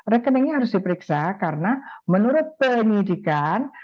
rekeningnya harus diperiksa karena menurut penyelidikan